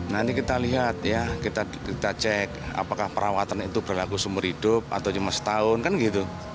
nanti kita lihat ya kita cek apakah perawatan itu berlaku seumur hidup atau cuma setahun kan gitu